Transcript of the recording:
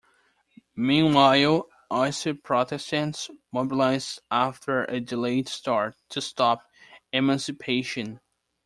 Meanwhile, Ulster Protestants mobilised, after a delayed start, to stop emancipation.